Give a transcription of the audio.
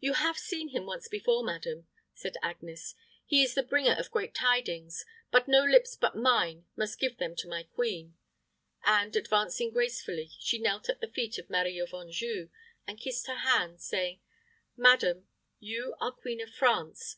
"You have seen him once before, madam," said Agnes. "He is the bringer of great tidings; but no lips but mine must give them to my queen;" and, advancing gracefully, she knelt at the feet of Marie of Anjou, and kissed her hand, saying, "Madam, you are Queen of France.